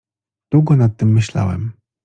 Długo nad tym myślałem.